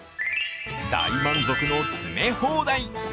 大満足の詰め放題。